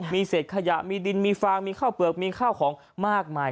มีเศษขยะมีดินมีฟางมีข้าวเปลือกมีข้าวของมากมาย